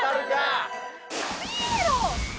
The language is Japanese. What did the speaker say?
ピエロ！